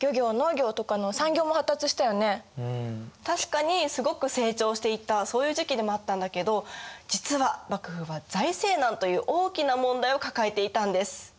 確かにすごく成長していったそういう時期でもあったんだけど実は幕府は財政難という大きな問題を抱えていたんです。